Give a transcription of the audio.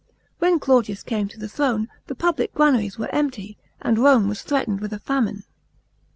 When Claudius came to the throne, the public granaries were empty, and Rome was threatened with a famine.